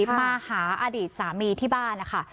มาหาอดีตสามีที่บ้านนะคะ